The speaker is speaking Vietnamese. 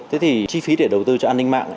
thế thì chi phí để đầu tư cho an ninh mạng